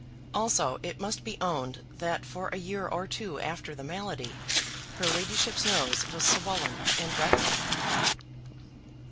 Also, it must be owned, that for a year or two after the malady, her ladyship's nose was swollen and redder.